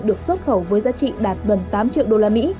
được xuất khẩu với giá trị đạt gần tám triệu usd